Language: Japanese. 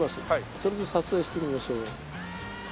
それで撮影してみましょう。